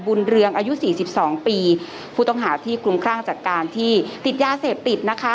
เรืองอายุสี่สิบสองปีผู้ต้องหาที่คลุมครั่งจากการที่ติดยาเสพติดนะคะ